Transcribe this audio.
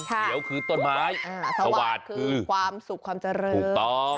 เสียวคือต้นไม้สวาดคือความสุขความเจริญ